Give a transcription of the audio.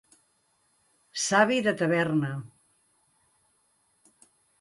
Savi de taverna.